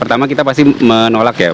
pertama kita pasti menolak